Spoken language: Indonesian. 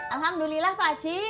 alhamdulillah pak haji